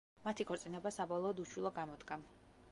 მათი ქორწინება, საბოლოოდ, უშვილო გამოდგა.